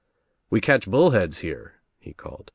"We catch bullheads here," he called.